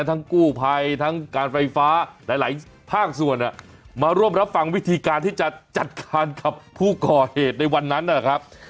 ทั้งกู้ภัยทั้งการไฟฟ้าหลายภาคส่วนมาร่วมรับฟังวิธีการที่จะจัดการกับผู้ก่อเหตุในวันนั้นนะครับ